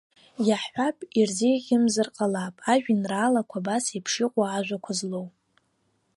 Иаҳҳәап, ирзеиӷьымзар ҟалап ажәеинраалақәа абас еиԥш иҟоу ажәақәа злоу.